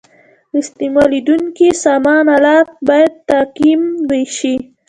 استعمالیدونکي سامان آلات باید تعقیم شي.